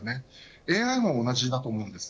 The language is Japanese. ＡＩも同じだと思います。